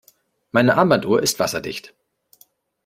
Meine Armbanduhr ist wasserdicht.